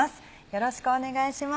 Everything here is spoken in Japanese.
よろしくお願いします。